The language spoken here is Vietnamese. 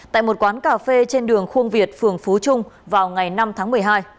tại một quán cà phê trên đường khuôn việt phường phú trung vào ngày năm tháng một mươi hai